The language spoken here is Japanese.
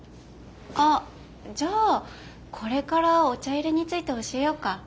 あっじゃあこれからお茶いれについて教えようか？